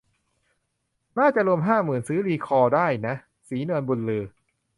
น่าจะรวมห้าหมื่นชื่อรีคอลได้นะ ศรีนวลบุญลือ